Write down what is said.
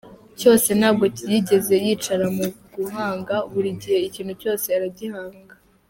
cyose ntabwo yigeze yicara mu guhanga, buri gihe ikintu cyose aragihanga.